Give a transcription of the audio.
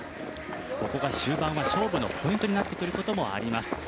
ここは終盤、勝負のポイントとなってくるところでもあります。